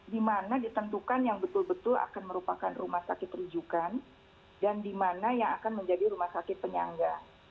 dimana ditentukan yang betul betul akan merupakan rumah sakit rujukan dan dimana yang akan menjadi rumah sakit penyangga